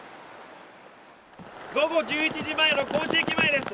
午後１１時前の高知駅前です。